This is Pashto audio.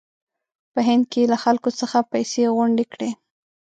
په هند کې یې له خلکو څخه پیسې غونډې کړې.